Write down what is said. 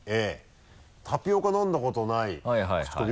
タピオカ飲んだことないクチコミ